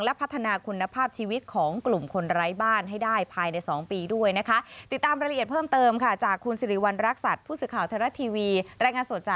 สำหรับธรรมเนียบรัฐบาลค่ะ